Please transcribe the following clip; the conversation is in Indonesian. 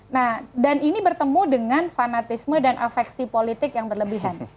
nah dan ini bertemu dengan fanatisme dan afeksi politik yang berlebihan